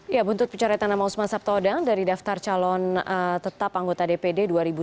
ya buntut pencarian nama osman sabta odang dari daftar calon tetap anggota dpd dua ribu sembilan belas